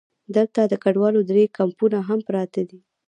دلته د کډوالو درې کمپونه هم پراته دي.